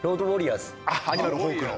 アニマルホークの。